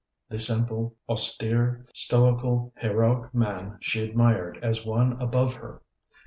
The simple, austere, stoical, heroic man she admired as one above her.